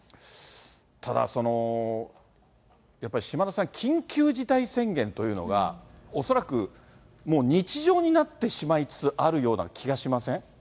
ただやっぱり、島田さん、緊急事態宣言というのが、恐らくもう日常になってしまいつつあるような気がしません？